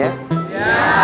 takut dengan hukumnya